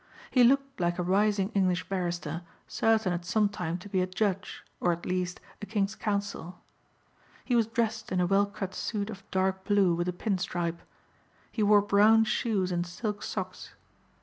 He looked like a rising English barrister certain at some time to be a judge or at the least a King's Counsel. He was dressed in a well cut suit of dark blue with a pin stripe. He wore brown shoes and silk socks.